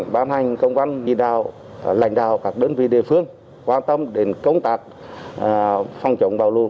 bán hành công an lãnh đạo các đơn vị địa phương quan tâm đến công tác phòng chống bão lũ